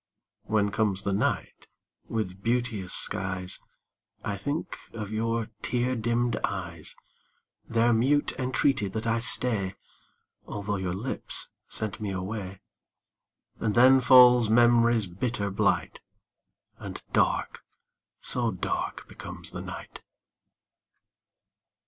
When comes the night with beauteous skies, I think of your tear dimmed eyes, Their mute entreaty that I stay, Although your lips sent me away; And then falls memory's bitter blight, And dark so dark becomes the night.